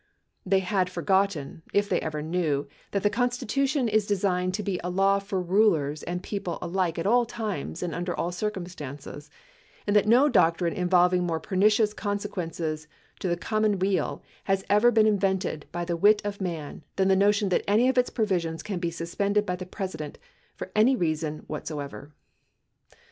They had forgotten, if they ever knew, that the Constitution is de signed to be a law for rulers and people alike at all times and under all circumstances ; and that no doctrine involving more pernicious conse quences to the commonweal has ever been invented by the wit of man than the notion that any of its provisions can be suspended by the President for any reason whatsoever.